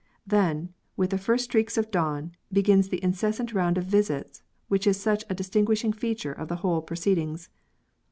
Then, with the first streaks of dawn, begins that incessant round of visits which is such a distinguishing feature of the whole proceedings.